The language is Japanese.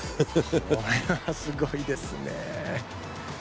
これはすごいですね。